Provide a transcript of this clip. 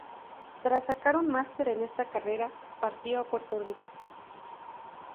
Tras sacar un máster en esta carrera partió a Puerto Rico.